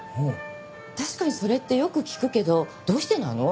確かにそれってよく聞くけどどうしてなの？